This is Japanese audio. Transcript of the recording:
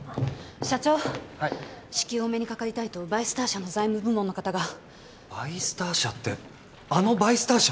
社長至急お目にかかりたいとバイスター社の財務部門の方がバイスター社ってあのバイスター社？